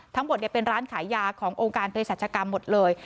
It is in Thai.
ทั้งหมดเป็นร้านขายยาขององค์การเพศรัชกรรมหมดเลย